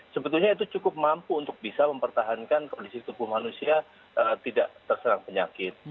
sebetulnya itu cukup mampu untuk bisa mempertahankan kondisi tubuh manusia tidak terserang penyakit